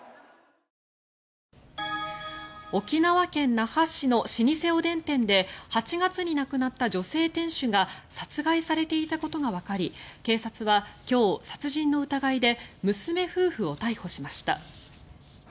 沖縄県那覇市の老舗おでん店で８月に亡くなった女性店主が殺害されていたことがわかり警察は今日、殺人の疑いで娘夫婦を逮捕しました。